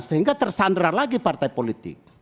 sehingga tersandra lagi partai politik